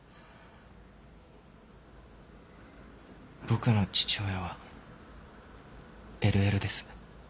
僕の父親はＬＬです。